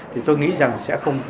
thì tôi nghĩ rằng sẽ không